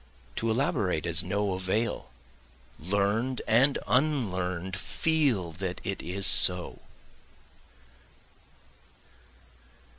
To elaborate is no avail, learn'd and unlearn'd feel that it is so.